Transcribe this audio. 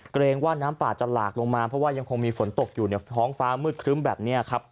เกรงว่าน้ำป่าจะหลากลงมาเพราะว่ายังคงมีฝนตกอยู่ในท้องฟ้ามืดครึ้มแบบนี้ครับ